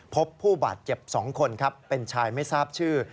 พบผู้บาดเจ็บ๒คนครับเป็นชายไม่ทราบชื่อ